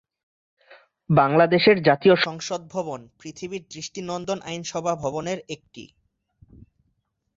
বাংলাদেশের জাতীয় সংসদ ভবন পৃথিবীর দৃষ্টিনন্দন আইনসভা ভবনের একটি।